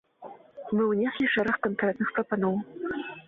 Мы ўнеслі шэраг канкрэтных прапаноў.